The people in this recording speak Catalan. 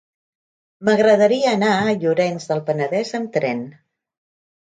M'agradaria anar a Llorenç del Penedès amb tren.